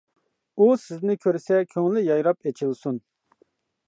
ئۇ سىزنى كۆرسە كۆڭلى يايراپ ئېچىلسۇن.